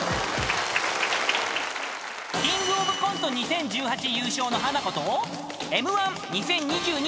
［キングオブコント２０１８優勝のハナコとＭ−１２０２２